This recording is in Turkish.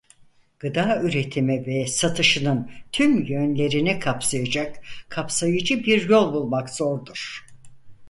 Gıda üretimi ve satışının tüm yönlerini kapsayacak kapsayıcı bir yol bulmak zordur.